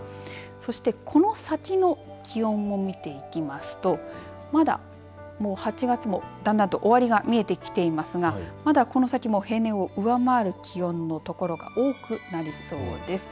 そしてこの先の気温を見ていきますとまだ、８月もだんだんと終わりが見えてきてますがまだこの先も平年を上回る気温のところが多くなりそうです。